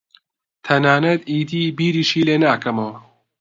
تەنانەت ئیدی بیریشی لێ ناکەمەوە.